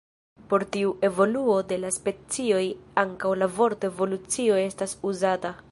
Por tiu evoluo de la specioj ankaŭ la vorto "evolucio" estas uzata.